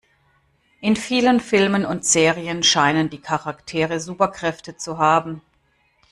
In vielen Filmen und Serien scheinen die Charaktere Superkräfte zu haben.